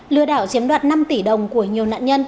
lừa đảo chiếm đoạt năm tỷ đồng của nhiều nạn nhân